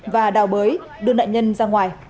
và đào bới đưa nạn nhân ra ngoài